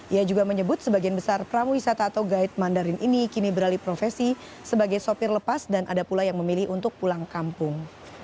ia juga menyebut sebagian besar pramu wisata atau guide mandarin ini kini beralih profesi sebagai sopir lepas dan ada pula yang memilih untuk pulang kampung